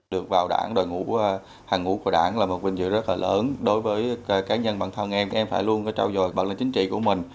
được vào đảng đội ngũ hàng ngũ của đảng là một vinh dự rất là lớn đối với cá nhân bản thân em em phải luôn trao dồi bản lĩnh chính trị của mình